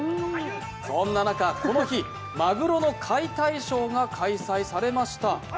そんな中、この日マグロの解体ショーが開催されました。